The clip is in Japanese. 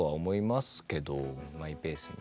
マイペースに。